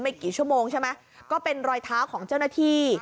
กี่ชั่วโมงใช่ไหมก็เป็นรอยเท้าของเจ้าหน้าที่